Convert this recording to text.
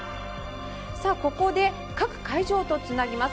ここで各会場とつなぎます。